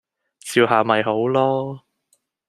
笑下咪好囉